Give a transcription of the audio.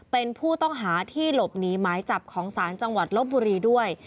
เป็นผู้ต้องหาที่หลบหนีหมายจับของศาลจังหวัดลบบุรีด้วย